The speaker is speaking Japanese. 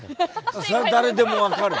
それは誰でも分かるわ。